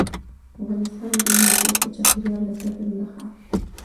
افغانستان کې هندوکش د چاپېریال د تغیر نښه ده.